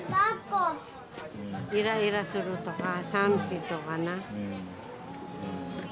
イライラするとか寂しいとかな。